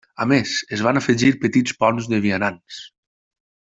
A més, es van afegir petits ponts de vianants.